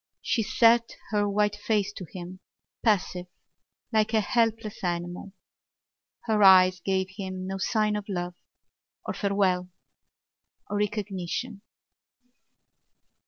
She set her white face to him, passive, like a helpless animal. Her eyes gave him no sign of love or farewell or recognition.